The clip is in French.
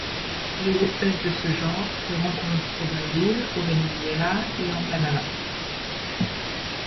Les espèces de ce genre se rencontrent au Brésil, au Venezuela et en Panama.